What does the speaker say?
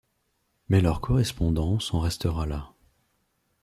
Mais leur correspondance en restera là.